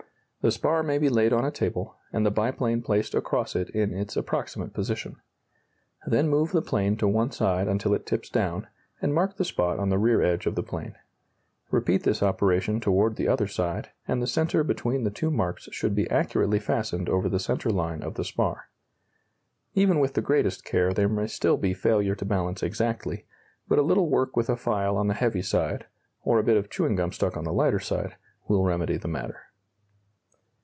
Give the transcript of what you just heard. The spar may be laid on a table, and the biplane placed across it in its approximate position. Then move the plane to one side until it tips down, and mark the spot on the rear edge of the plane. Repeat this operation toward the other side, and the centre between the two marks should be accurately fastened over the centre line of the spar. Even with the greatest care there may still be failure to balance exactly, but a little work with a file on the heavy side, or a bit of chewing gum stuck on the lighter side, will remedy the matter.